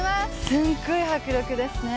すっごい迫力ですね。